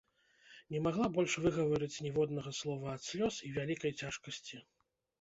Не магла больш выгаварыць ніводнага слова ад слёз і вялікай цяжкасці.